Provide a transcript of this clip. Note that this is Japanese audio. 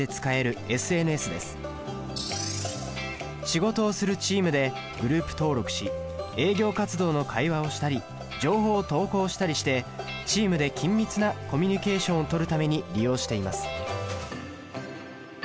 仕事をするチームでグループ登録し営業活動の会話をしたり情報を投稿したりしてチームで緊密なコミュニケーションをとるために利用しています。